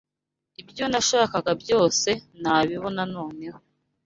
ibyo nashaka byose nabibona noneho